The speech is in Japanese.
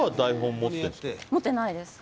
持ってないです。